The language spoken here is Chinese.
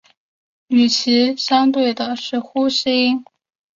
与其相对的是呼气音。